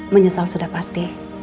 menyesal sudah pasti